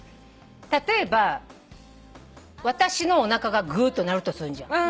例えば私のおなかがぐうと鳴るとすんじゃん。